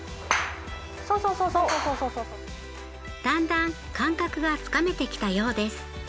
だんだん感覚がつかめてきたようです。